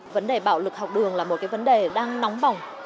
vấn đề bạo lực học đường là một cái vấn đề đang nóng bỏng